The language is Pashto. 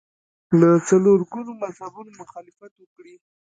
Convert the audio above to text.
له څلور ګونو مذهبونو مخالفت وکړي